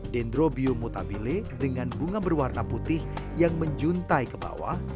dendrobium mutabile dengan bunga berwarna putih yang menjuntai ke bawah